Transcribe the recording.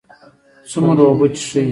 څومره اوبه څښئ؟